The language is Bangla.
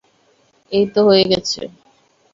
এইতো হয়ে গেছে।